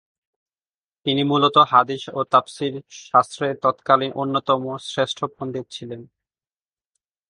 তিনি মূলত হাদিস ও তাফসীর শাস্ত্রের তৎকালীন অন্যতম শ্রেষ্ঠ পণ্ডিত ছিলেন।